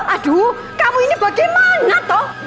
aduh kamu ini bagaimana toh